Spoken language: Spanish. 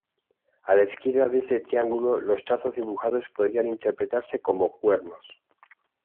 A la izquierda de este triángulo los trazos dibujados podrían interpretarse como cuernos.